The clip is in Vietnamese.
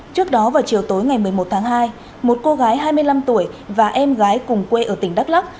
trước đó vào chiều tối ngày một mươi một tháng hai một cô gái hai mươi năm tuổi và em gái cùng quê ở tỉnh đắk lắc